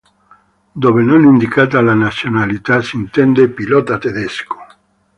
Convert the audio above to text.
Dove non indicata la nazionalità si intende pilota tedesco.